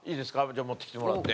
じゃあ持ってきてもらって。